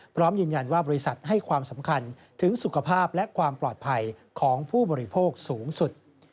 พร้อมยืนยันว่าบริษัทให้ความสำคัญถึงสุขภาพและความปลอดภัยของผู้บริโภคสูงสุด